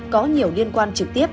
có nhiều liên quan trực tiếp